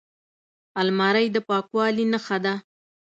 الماري د پاکوالي نښه ده